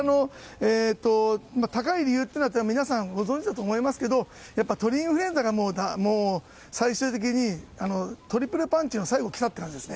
高い理由は皆さんご存じだと思いますけども鳥インフルエンザが最終的にトリプルパンチの最後で来たという感じですね。